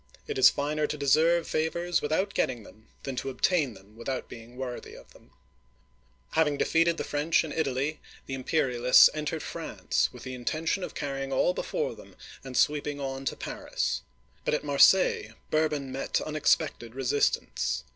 It is finer to deserve favors without getting them, than to obtain them without being worthy of them." Digitized by VjOOQIC 234 OLD FRANCE Having defeated the French in Italy, the Imperialists entered France, with the intention of carrying all before them and sweeping on to Paris; but at Marseilles Bourbon met unexpected resistance.